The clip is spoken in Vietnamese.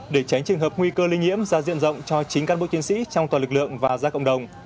để tránh trường hợp nguy cơ linh nhiễm ra diện rộng cho chính cán bộ chiến sĩ trong tòa lực lượng và gia cộng đồng